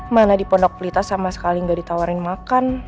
mana di pondok pelita sama sekali nggak ditawarin makan